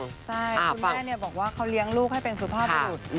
คุณแม่เนี่ยบอกว่าเขาเลี้ยงลูกให้เป็นสุภาพดูด